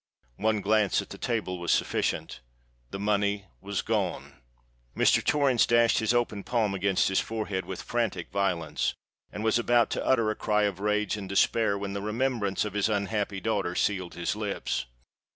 One glance at the table was sufficient:—the money was gone! Mr. Torrens dashed his open palm against his forehead with frantic violence, and was about to utter a cry of rage and despair, when the remembrance of his unhappy daughter sealed his lips.